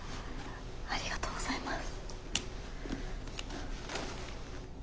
ありがとうございます。